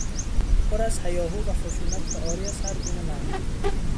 پر از هیاهو و خشونت و عاری از هر گونه معنی